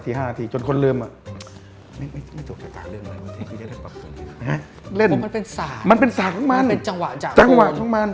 จังหวะจังหวะจ้างงบอร์น